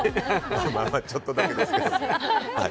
ちょっとだけですけど。